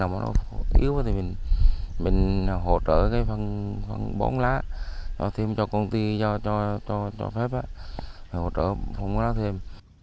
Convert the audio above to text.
nếu đất nào yếu thì mình hỗ trợ bóng lá cho thêm cho công ty cho phép hỗ trợ bóng lá thêm